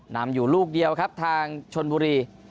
นำอยู่ลูกเดียวครับทางชนบุรี